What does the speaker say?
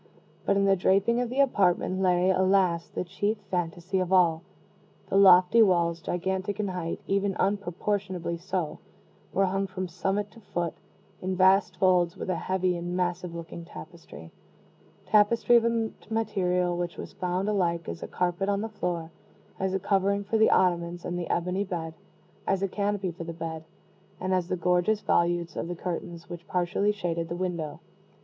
But in the draping of the apartment lay, alas! the chief phantasy of all. The lofty walls, gigantic in height even unproportionably so were hung from summit to foot, in vast folds, with a heavy and massive looking tapestry tapestry of a material which was found alike as a carpet on the floor, as a covering for the ottomans and the ebony bed, as a canopy for the bed, and as the gorgeous volutes of the curtains which partially shaded the window.